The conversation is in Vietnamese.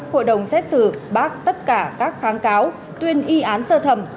hội đồng xét xử bác tất cả các kháng cáo tuyên y án sơ thẩm